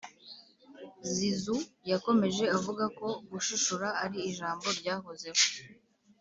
zizou yakomeje avuga ko ‘gushishura’ ari ijambo ryahozeho,